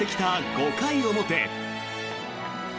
５回表。